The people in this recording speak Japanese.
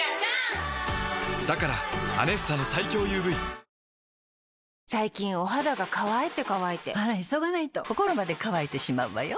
だから「アネッサ」の最強ＵＶ最近お肌が乾いて乾いてあら急がないと心まで乾いてしまうわよ。